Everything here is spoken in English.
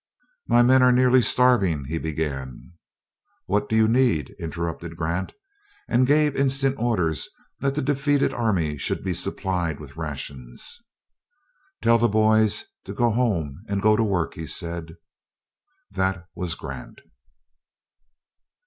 "My men are nearly starving," he began "What do you need?" interrupted Grant; and gave instant orders that the defeated army should be supplied with rations. "Tell the boys to go home and go to work," he said. That was Grant.